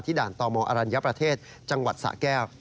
ด่านตมอรัญญประเทศจังหวัดสะแก้ว